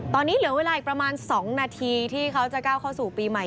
ตอนนี้เหลือเวลาอีกประมาณ๒นาทีที่เขาจะก้าวเข้าสู่ปีใหม่